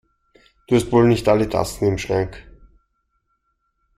Du hast wohl nicht alle Tassen im Schrank!